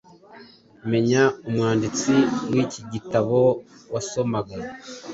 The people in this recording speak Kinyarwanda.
menya umwanditsi wiki gitabo wasomaga